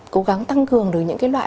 cố gắng tăng cường được những cái loại